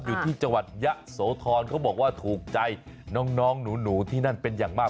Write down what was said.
อยู่ที่จังหวัดยะโสธรเขาบอกว่าถูกใจน้องหนูที่นั่นเป็นอย่างมาก